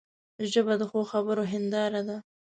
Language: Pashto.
ژبه د ښو خبرو هنداره ده